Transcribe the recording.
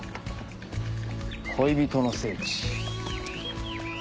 「恋人の聖地」。